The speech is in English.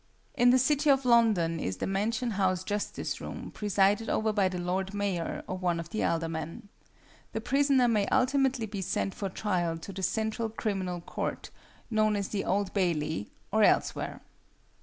In the City of London is the Mansion House Justice Room, presided over by the Lord Mayor or one of the Aldermen. The prisoner may ultimately be sent for trial to the Central Criminal Court, known as the Old Bailey, or elsewhere.